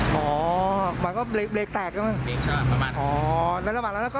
อ๋อหมายความว่าเบรกเตกใช่ไหมเบรกค่ะประมาณอ๋อแล้วประมาณแล้วก็